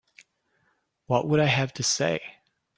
What would I have to say?